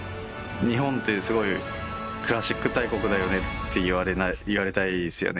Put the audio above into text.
日本ってすごいクラシック大国だよねって言われたいですよね